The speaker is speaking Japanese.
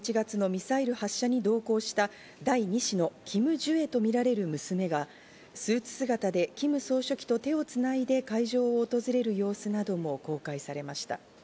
去年１１月のミサイル発射に同行した第２子のキム・ジュエと見られる娘がスーツ姿でキム総書記と手をつないで、会場を訪れる様子なども公開されました。